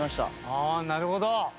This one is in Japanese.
ああなるほど！